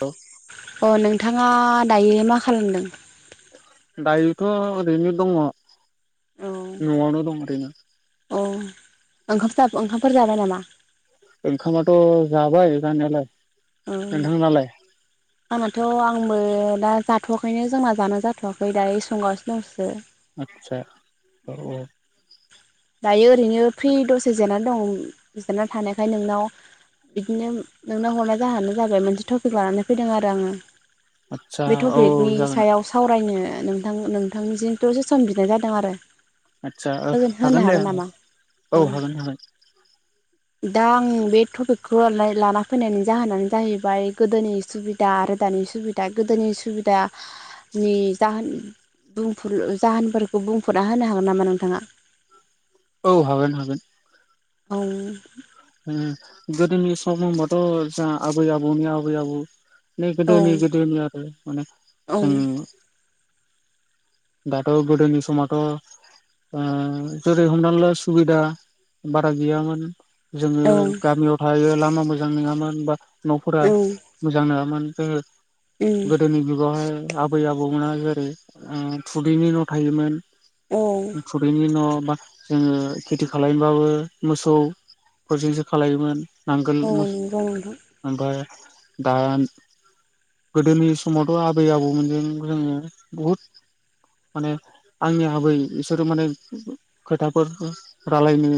औ अ नोंथाङा दायो मा खालामदों। दायोथ' ओरैनो दङ औ न'आवनो दं ओरैनो। औ ओंखाम सो ओंखामफोर जाबाय नामा। ओंखामाथ' जाबाय जानायालाय औ नोंथां नालाय। आंनाथ' आंबो दा जाथ'वाखैनो जोंना जानो जाथ'वाखै दायो संगासिनो दंसो। सा औ औ दायो ओरैनो फ्रि दसे जिरनानै दं जिरायना थानायखाय नोंनाव बिदिनो नोंनाव हरनाय जाहोनानो जाबाय मोनसे टपिक लानानै फैदों आरो आङो। आदसा बे औ टपिकनि जागोन सायाव सावरायनो नोंथां नोंथांनिजों दसे सम बिनाय जादों आरो आदसा ओ होगोन होनो हागोन दे ओं नामा? औ हागोन हागोन दा आं बे टपिकखौ लाना फैनायनि जाहोनानो जाहैबाय गोदोनि सुबिदा आरो दानि सुबिदा गोदोनि सुबिदानि जाहोन बुंफुर जाहोनफोरखौ बुंफुरना होनो हागोन नामा नोंथाङा। औ हागोन हागोन। औ ओ गोदोनि सम होनबाथ' जों आबै आबौनि आबै आबौ नै औ गोदोनि गोदोनि आरो माने औ जों दाथ' गोदोनि समावथ' ओ जुरै हमनाला सुबिदा बारा गैयामोन जोङो औ गामियाव थायो लामा मोजां नङामोन बा न'फोरा औ मोजां नङामोन उम ज गोदोनि जुगावहाय आबै आबौमोना जेरै ओ थुदैनि न' थायोमोन औ थुदैनि न' जोङो खेथि खालामनोबाबो मोसौफोरजोंसो खालायोमोन नांगोल औ मस नंगौ नोंथां ओमफ्राय दा गोदोनि समावथ' आबै आबौमोनजों जोङो बहुद माने आंनि आबै बिसोरो माने खोथाफोर रायलायनो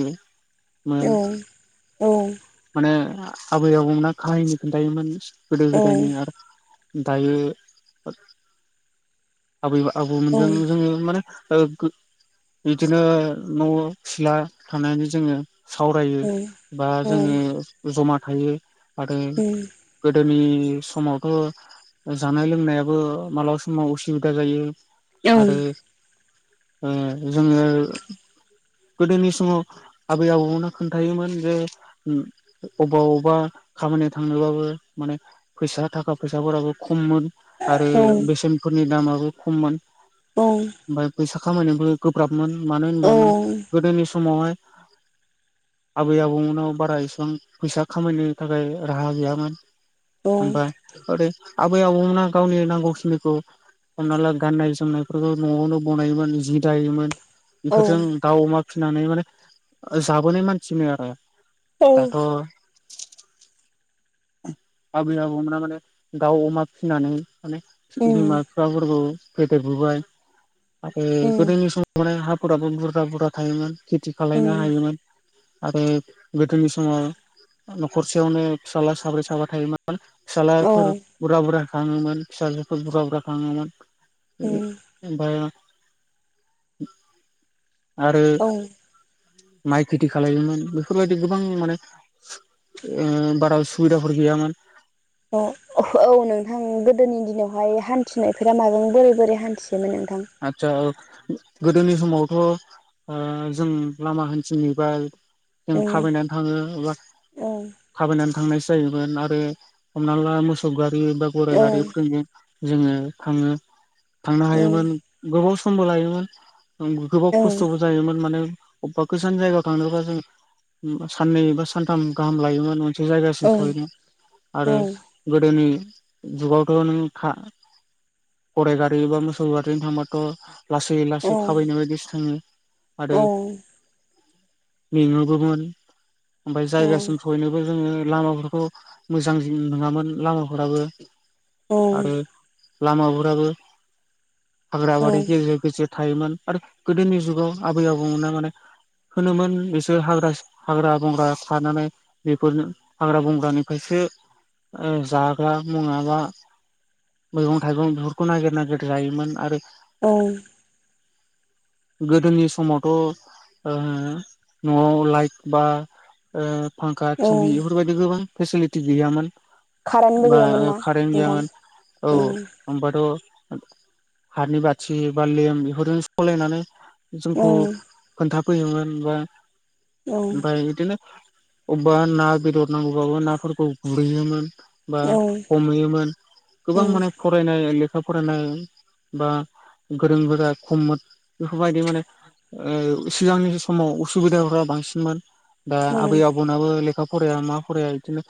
मोन औ औ माने आबै आबौमोना काहिनि खोन्थायायोमोन गोदो औ गोदायनि आरो दायो आबै औ आबौमोनजों जोङो माने बिदिनो न' सिला थानायानानै जोङो सावरायो उम बा औ जोङो जमा थायो। आरो गोदोनि समावथ' जानाय लोंनायाबो मालाबा समाव उसुबिदा जायो। औ आरो जोङो गोदोनि समाव आबै आबौमोननो खोन्थायोमोन जे अबावबा खामानियाव थांनोबाबो माने फैसा थाखा फैसाफोराबो खम खममोन आरो बेसेनफोरनि दामाबो खममोन ओमफ्राय फैसा खामायनोबो गोब्राबमोन मानो होनबा माने गोदोनि समावहाय आबै आबौमोननाव बारा इसिबां फैसा खामायनो थाखाय राहा गैयामोन ओमफ्राय ओरै आबै आबौमोना गावनि नांगौखिनिखौ हमना ला गाननाय जोमनायफोरखौ न'आवनो बनायोमोन जि दायोमोन औ बेफोरजों दाउ अमा फिसिनानै माने जाबोनाय मानसिमोन आरो औ दाथ' आबै आबौमोना माने दाउ अमा फिसिनानै माने उम बिमा बिफाफोरखौ फेदेरबोबाय आरो उम गोदोनि समाव माने हाफोराबो बुरजा बुरजा थायोमोन खेथि खाायनो उम हायोमोन आरो गोदोनि समाव न'खरसेयावनो फिसाज्ला साब्रै साबा थायोमोन औ फिसाज्लाफोर बुरजा बुरजा खाङोमोन फिसाजोफोर बुरजा बुरजा खाङोमोन उम बाया आरो औ माइ खेथि खाोमोन बेफोरबायदि गोबां माने ओ बारा सुबुबिदाफोर गैयामोन अ औ नोंथां गोदोनि दिनावहाय हान्थिनायफोरा माजों बोरै बोरै हान्थि आतसा गोदोनि समावथ' जों लामा हान्थिनाय बा जों ओम थाबायनानै थाङो एबा औ थाबायनानै थांनाय जायोमोन आरो हमना ला मोसौ गारि बा गराइ औ गारिफोरजोंजों जोङो थाङो थांनो हायोमोन गोबाव समबो लायोमोन गोबाव औ खस्थ'बो जायोमोन माने अबेबा गोजान जायगायाव थांनोबा जों साननै बा सानथाम गाहाम लायोमोन मोनसे औ जायगासिम सहैनो औ आरो गोदोनि जुगावथ' नों गराइ गारि बा मोसौ गारिजों थांबाथ' लासै लासै थाबायनाय बायदिसो थाङो औ। मेंङोबोमोन ओमफ्राय जायगासिम सहैनोबो जोङो लामाफोरखौ मोजां जिन नङामोन लामाफोराबो आरो लामाफोराबो हाग्रा औ बारि गेजेर गेजेर थायोमोन। आरो गोदोनि जुगाव आबै आबौमोननो माने होनोमोन बिसोर हाग्रा हाग्रा बंग्रा खानानै बेफोर हाग्रा बंग्रानिफ्रायसो सो ओ जाग्रा मुङाबा मैगं थाइगं बेफोरखौ नागिर नागिर जायोमोन आरो औ गोदोनि समावथ' ओ न'आव लाइक बा ओ फांखा, औ टि भि बेफोरबायदि गोबां फेसिलिटि गैयामोन। कारेन्टबो बा गैयामोन ना कारेन्ट नोंथां गैयामोन औ औ होनोमबाथ' हाथनि बाथि बालेम बेफोरजों सलायनानै जोंखौ ओम खोन्थाफैयोमोन बा ओमफाय बिदिनो अबबा ना बेदर नांगौबाबो नाफोरखौ गुरहैयोमोन बा ओम हमहैयोमोन गोबां माने फरायनाय लेखा फरायनाय बा गोरों गोरा खममोन बेफोरबायदि माने ओ सिगांनि समाव उसुबिदाफोरा बांसिनमोन। दा ओम आबै आबौनाबो लेखा फराया मा फराया बिदिनो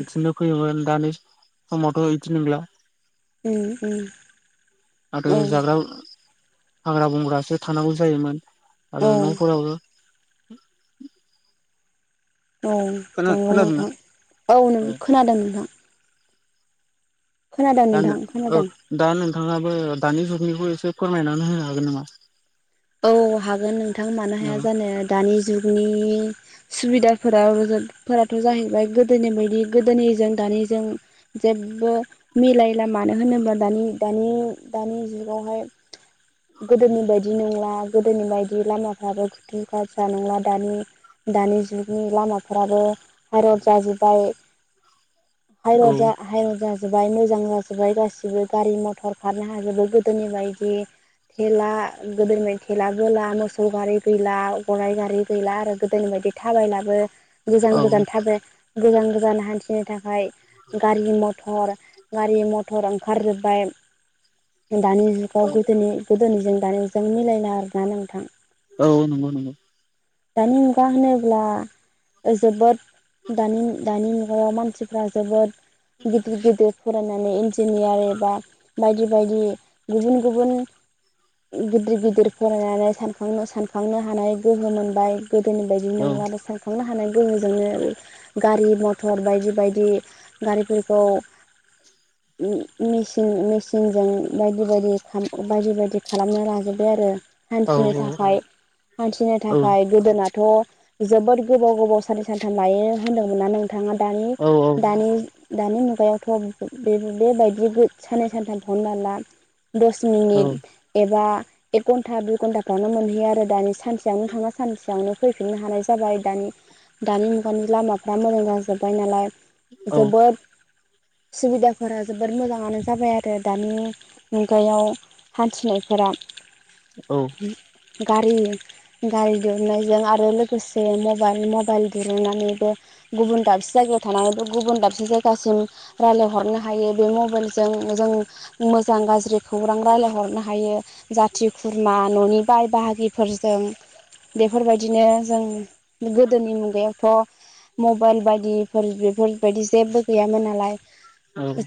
बिदिनो फैयोमोन दानि समावथ' इदि नोंला। उम उम आरो जाग्रा हाग्रा बंग्रासो थानांगौ जायोमोन। ओम औ आरो न'फोराव औ नंगौ नोंथां औ नों खोनादों नोंथां। खोनादों दा नों नोंथां औ खोनादों दा नों थाङाबो दानि जुगनिखौ एसे फोरमायनानै होनो हागोन नामा? औ हागोन नोंथां मानो हाया जानो दानि जुगनि सुबिदाफोराव फोरथ' जाहैबाय गोदोनि बायदि गोदोनिजों दानिजों जेबो मिलायला मानो होनोबा दानि दानि दानि जुगावहाय गोदोनि बायदि नंला। आ गोदोनि बायदि लामाफ्राबो खुथु गसा नंला दानि दानि जुगनि लामाफ्राबो बा रत जाजोब्बाय। औ हाइरद जा हायरद जा जोबबाय मोजां जाजोबबाय गासिबो गारि मथर खारनो हाजोबो गोदोनि बायदि थेला गोदोनि बाय थेलाबोला मोसौ गारि गैला गराइ गारि गैला आरो गोदोनि बायदि थाबायलाबो औ गोजान गोजान थाबो गोजान गोजान हान्थिनो थाखाय गारि मथर गारि मथर ओंखारजोब्बाय दानि जुगाव गोदोनि गोदोनिजों दानिजों मिलायला आरोना नोंथां। औ नंगौ नंगौ दानि मुगा होनोब्ला जोबोद दानि दानि मुगाव मानसिफ्रा जोबोद गिदिर गिदिर फरायनानै इन्जिनियार एबा बायदि बायदि गुबुन गुबुन गिद्रि गिदिर फरायनानै सानफांनो सानफांनो हानाय गोहो मोनबाय गोदोनि बायदि औ नोंला आरो सानखांनो हानाय गोहोजोंनो गारि मथर बायदि बायदि गारिफोरखौ [inaudible] मि-मिसिन मिसिनजों बायदि बायदि बायदि बायदि खालामना लाजोब्बाय आरो। औ हान्थिनो थाखाय हान्थिनो औ थाखाय गोदोनाथ' जोबोद गोबाव गोबाव सानै साथाम लायो होन्दोंमोनना नोंथाङा दानि औ दानि दानि मुगायावथ' बेबा-बेबायदि साननै सानथाम खौनो लाला। दस औ मिनिट एबा एक‌ घ न्टा, दुइ घन्टाफ्रावनो मोनहैयो आरो दानि सानसेयावनो थांना सानसेयावनो फैफिननो हानाय जाबाय। दानि दानि मुगानि लामाफ्रा मोजां जाजोब्बाय नालाय औ जोबोद सुबिदाफोरा जोबोर मोजाङानो जाबाय आरो दानि मुगायाव हानथिनायफोरा। [inaudible] औ। गारि - गारि दिहुननायजों आरो लोगोसे मबाइल -मबाइल दिरुननानैबो गुबुन दाबसे जायगायाव थानानैबो गुबुन दाबसे जायगासिम रायलायहरनो हायो बे मबाइलजों। जों मोजां-गाज्रि खौरां रायलाय हरनो हायो। जाति- खुरमा खुरमा न'नि बाय- बाहागिफोरजों। बेफोरबायदिनो जों गोदोनि मुगायावथ' मबाइल बायदिफोर बेफोरबायदि जेबो गैयामोन नालाय,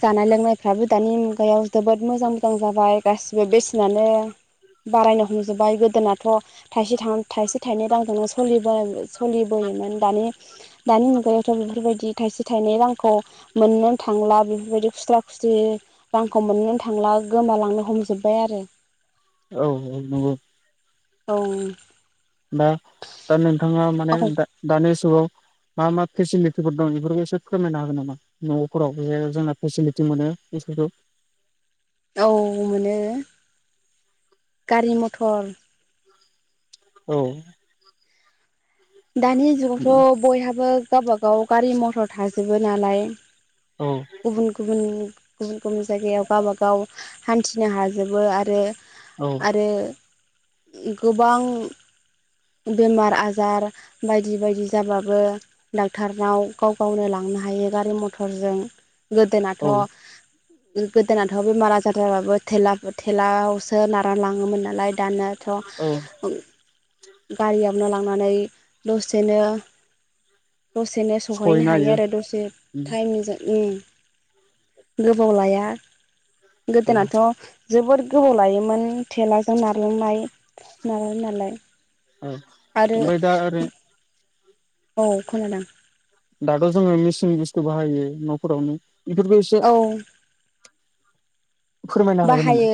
जानाय लोंनायफ्राबो दानि मुगायाव जोबोद मोजां- मोजां जाबाय गासिबो बेसेनानो। बारायनो हमजोब्बाय गोदोनाथ' थाइसे थां थाइसे, थाइनै रांजोंनो सलिनाय -सोलिबोयो। दानि -दानि मुगायावथ' बेफोरबायदि थाइसे, थाइनै रांखौ मोननो थांला। बिदि खुस्रा -खुस्रि रांखौ मोननो नो थांला गोमालांनो हमजोबबाय आरो। औ नंगौ नंगौ। औ। दा नोंथाङा माने दा-दानि जुगाव मा- मा फेसिलिटिफोर दं बेफोरखौ एसे फोरमायनो हागोन नामा? न'फोराव बे जोंना फेसिलिटि मोनो। [unintelligible] [unintelligible] औ मोनो, गारि -मथर औ। दानि जुगावथ' बयहाबो गावबा -गाव गारि- मथर थाजोबो नालाय। औ गुबुन -गुबुन- गुबुन- गुबुन जायगायाव गावबा-गाव गाव हान्थिनो हाजोबो औ आरो-आरो गोबां बेमार - आजार बायदि - बायदि जाबाबो डाक्टारनाव गाव -गावनो लांनो हायो गारि मथरजों गोदोनाथ' औ गोदोनाथ' बेमार -आजार जाबाबो थेला -थेलायावसो नारना लाङोमोन नालाय। दानयाथ', औ गारियावनो लांनानै दसेनो दसेनो सहैनो हायो आरो, दसे टाइम जों उम गोबाव लाया। औ गोदोनाथ' जोबोर गोबाव लायोमोन थेलाजों नारलांनाय नारो नालाय। उम आरो औमफ्राय दा आरो औ खोनादोंं। दाथ' जोङो मेचिन बुस्थु बाहायो न'फोरावनो, बेफोरखौ एसे औ फोरमायनो हागोन नामा बाहायो।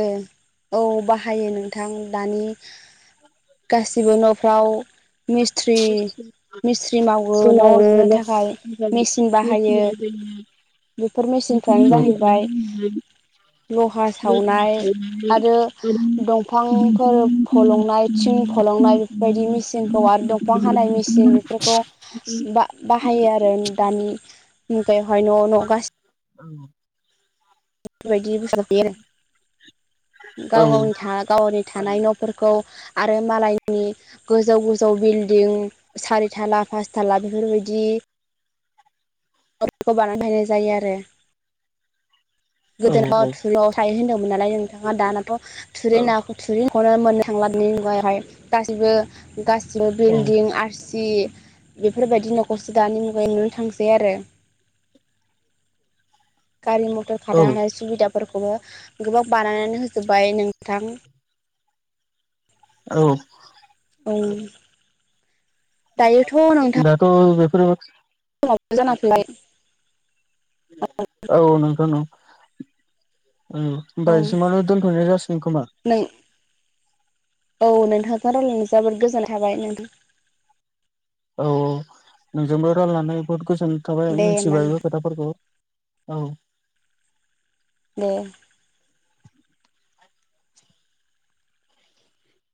औ बाहायो नोंथां, दानि गासिबो न'फ्राव मिस्ट्रि - मिस्थ्रि मावो न' लुनो जोंनाबो लस थाखाय, जायो मेसिन लस बाहायो। बेफोर मेचिनफ्रानो जाहैबाय [unintelligible] लहा सावनाय, आरो बेखौनो दंफांफोर फलंनाय, थिं नखल फलंनाय। बायदि मेसिनखौ बिफां हानाय मेसिन खालामनानै बेफोरखौ बा-बाहायो आरो दानि बेवहाय न - न गासिबो औ। बेबायदि [unintelligible] आरो गाव -गावनि [unintelligible] गाव -गावनि [unintelligible] थानाय न' फोरखौ आरो मालायनि गोजौ -गोजौ बिलदिं सारि थाला पासथाला बेफोर बायदि न'फोरखौ बानायना दोननाय जायो आरो। लोगो गोदोथ' हमनानै थुरियाव थायो होनदोंमोन नालाय। नोंथाङा दानाथ' थुरि आरो नाखौ थुरि न'खौनो मोननो [unintelligible] मुगायावहाय गासिबो गासिबो औ औ बिल्डिं [unintelligible] जि बेफोरबायदि न'खौसो दानि मुगायाव नुनो थांसै आरो [inaudible] [unintelligible] गारि मथर औ खारनो हानाय सुबिदा फोरखौबो गोबां बानायनानै होजोब्बाय नोंथां औ औ दायोथ' नोंथां दाथ' बेफोरबो समाबो जाना फैबाय औ नंगौ औ होनबा औ इसिमावनो दोनथ'नाय जासिगोन खोमा नों औ नोंथांजो रायलायना जोबोद गोजोन थाबाय नोंथां औ नोंजोंबो रायलनानै बुहुद गोजोननाय थाबाय दे होमबा मिथिबाय बो नोंथां खोथाफोरखौ औ दे